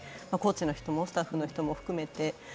コーチの人もスタッフの人も含めて。